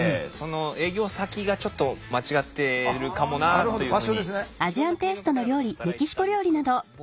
営業先がちょっと間違ってるかもなっていうふうに。